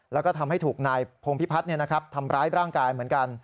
แล้วก็ทำให้ถูกนายพงพิพัฒน์ทำร้ายร่างกายเหมือนกัน